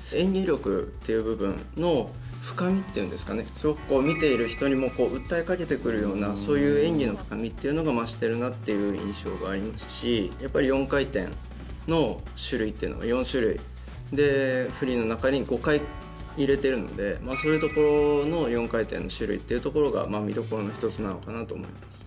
すごく、見ている人にも訴えかけてくるようなそういう演技の深みというのが増してるなっていう印象がありますし４回転の種類というのが４種類でフリーの中に５回入れてるのでそういうところの４回転の種類というところが見どころの１つなのかなと思います。